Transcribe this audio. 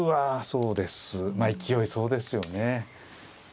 そうですまあ勢いそうですよね。